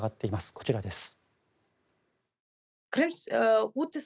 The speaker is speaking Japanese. こちらです。